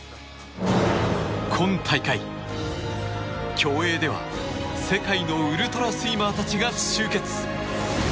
今大会、競泳では世界のウルトラスイマーたちが集結。